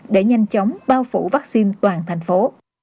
để nhanh chóng bao phủ vaccine toàn thành phố